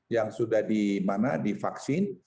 yang sudah di mana di vaksin